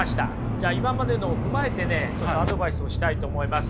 じゃあ今までのを踏まえてねアドバイスをしたいと思います。